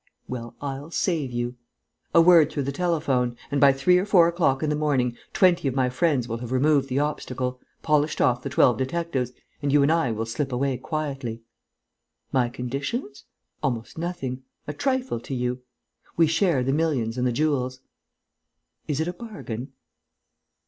Well, I'll save you. A word through the telephone; and, by three or four o'clock in the morning, twenty of my friends will have removed the obstacle, polished off the twelve detectives, and you and I will slip away quietly. My conditions? Almost nothing; a trifle to you: we share the millions and the jewels. Is it a bargain?"